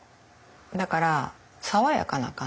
だから爽やかな感じ。